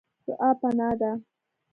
دعا پناه ده.